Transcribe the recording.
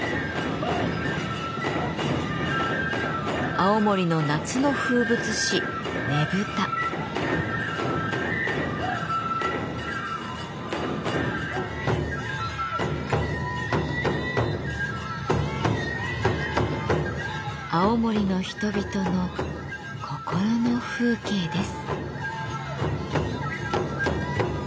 青森の夏の風物詩青森の人々の心の風景です。